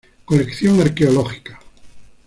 Colección arqueológica.